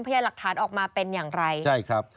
เพื่อให้หลักฐานออกมาเป็นอย่างไร